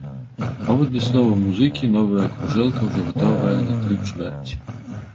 Паводле словаў музыкі, новая кружэлка ўжо гатовая на тры чвэрці.